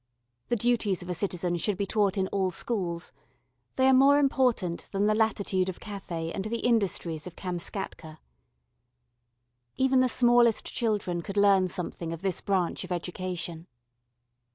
The duties of a citizen should be taught in all schools: they are more important than the latitude of Cathay and the industries of Kamskatka. Even the smallest children could learn something of this branch of education.